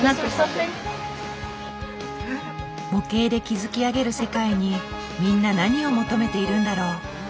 模型で築き上げる世界にみんな何を求めているんだろう。